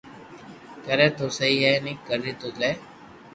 ڪري تو سھي ني ڪرو تو سھي